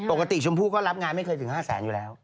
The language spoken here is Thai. ปกติชมพู่ก็รับงานไม่เคยถึง๕๐๐๐๐๐บาทอยู่แล้ว